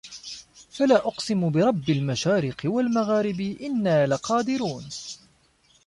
فَلا أُقسِمُ بِرَبِّ المَشارِقِ وَالمَغارِبِ إِنّا لَقادِرونَ